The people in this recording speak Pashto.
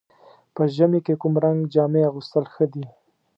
په ژمي کې کوم رنګ جامې اغوستل ښه دي؟